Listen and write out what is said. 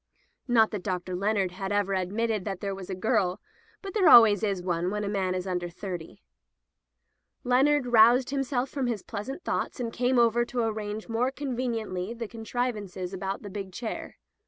Not that Dr. Leonard had ever admitted that there was a girl, but there always is one when a man is under thirty. Leonard roused from his pleasant thoughts, and came over to arrange more conveniently the contrivances about the big chair.